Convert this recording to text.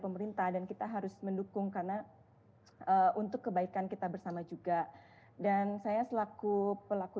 pemerintah dan kita harus mendukung karena untuk kebaikan kita bersama juga dan saya selaku pelaku